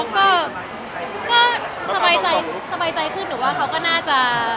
ก็สบายใจขึ้นหรือว่าเขาก็น่าจะ